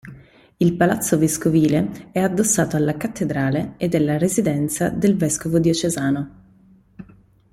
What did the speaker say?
Il Palazzo Vescovile è addossato alla cattedrale ed è la residenza del vescovo diocesano.